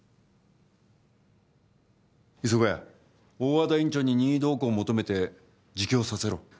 磯ヶ谷大和田院長に任意同行を求めて自供させろ